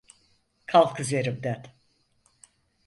Kalk üzerimden!